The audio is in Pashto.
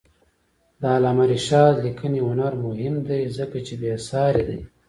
د علامه رشاد لیکنی هنر مهم دی ځکه چې بېسارې دی.